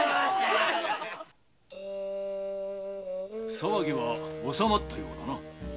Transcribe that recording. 騒ぎは収まったようだな。